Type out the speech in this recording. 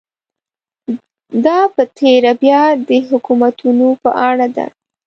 دا په تېره بیا د حکومتونو په اړه ده.